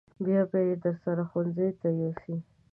بیا به یې درسره ښوونځي ته یوسې.